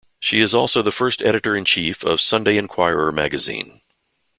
She is also the first editor in chief of Sunday Inquirer Magazine.